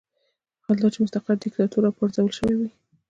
حال دا چې مستقر دیکتاتور راپرځول شوی وي.